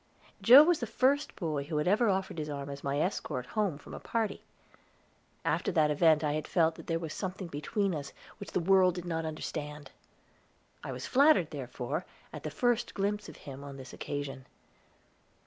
Joe was the first boy who had ever offered his arm as my escort home from a party. After that event I had felt that there was something between us which the world did not understand. I was flattered, therefore, at the first glimpse of him on this occasion.